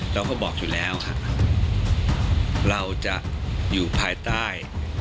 เราก็บอกอยู่แล้วค่ะเราจะอยู่ภายใต้